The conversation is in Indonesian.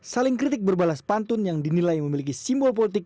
saling kritik berbalas pantun yang dinilai memiliki simbol politik